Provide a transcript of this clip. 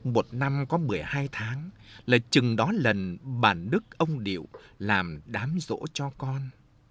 một năm có một mươi hai tháng là chừng đó lần bà đức ông điệu làm đám rỗ cho con